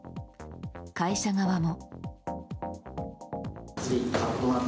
会社側も。